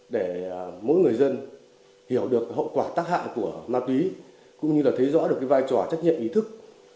để mỗi người dân hiểu được hậu quả tác hại của ma túy cũng như là thấy rõ được cái vai trò trách nhiệm ý thức